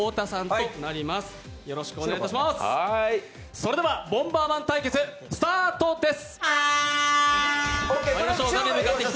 それでは「ボンバーマン」対決スタートです。